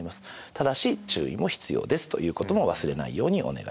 ただし注意も必要ですということも忘れないようにお願いしたいと思います。